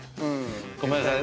ごめんなさい。